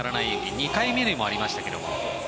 ２回目でもありましたけど。